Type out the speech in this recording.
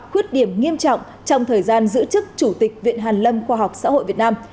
khuyết điểm nghiêm trọng trong thời gian giữ chức chủ tịch viện hàn lâm khoa học xã hội việt nam